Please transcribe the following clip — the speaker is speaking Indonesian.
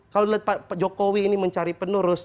kalau pak jokowi ini mencari penerus